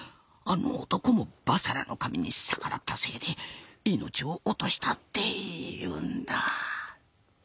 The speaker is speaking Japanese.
あの男も婆娑羅の神に逆らったせいで命を落としたっていうんだ。